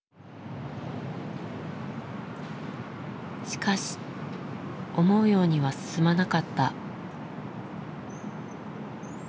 しかし思うようには進まなかった。